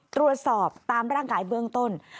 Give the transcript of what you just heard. ตรวจสอบตามร่างกายเบื้องต้น